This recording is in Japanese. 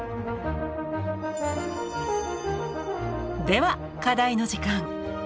では課題の時間。